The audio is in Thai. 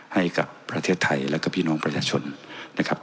ให้กับประเทศไทยแล้วก็พี่น้องประชาชนนะครับ